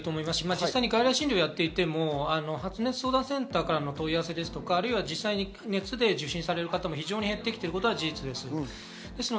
実際、外来診療をやっていても発熱相談センターからの問い合わせや熱で受診される方も減ってきているのは事実です。